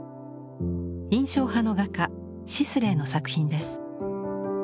印象派の画家シスレーの作品です。